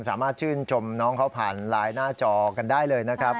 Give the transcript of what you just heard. สามารถชื่นชมน้องเขาผ่านไลน์หน้าจอกันได้เลยนะครับ